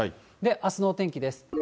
あすのお天気です。